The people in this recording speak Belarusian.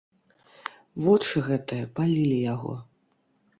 Вочы гэтыя палілі яго.